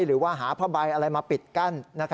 หรือว่าหาพ่อบายอะไรมาปิดกั้น